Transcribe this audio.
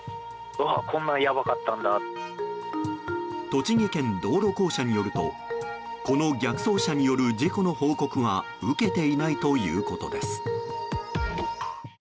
栃木県道路公社によるとこの逆走車による事故の報告は受けていないということです。